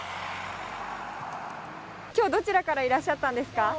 きょう、どちらからいらっしゃったんですか？